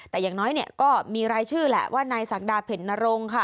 แต่อย่างน้อยเนี่ยก็มีรายชื่อแหละว่านายศักดาเพ็ญนรงค่ะ